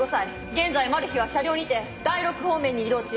現在マルヒは車両にて第６方面に移動中。